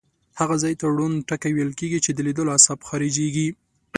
هغه ځای ته ړوند ټکی ویل کیږي چې لیدلو عصب خارجیږي.